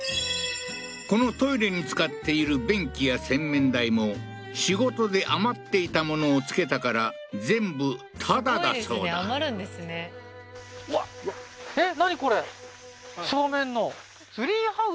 このトイレに使っている便器や洗面台も仕事で余っていた物を付けたから全部タダだそうだ余るんですねはあーえっ？